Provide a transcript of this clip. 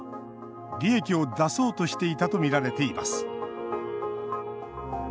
利益を出そうとしていたとみられています。